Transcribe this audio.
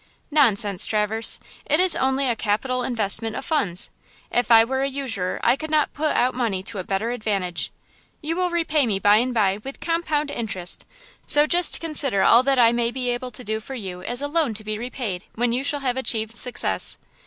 "Nonsense, Traverse! it is only a capital investment of funds! If I were a usurer I could not put out money to a better advantage. You will repay me by and by with compound interest; so just consider all that I may be able to do for you as a loan to be repaid when you shall have achieved success."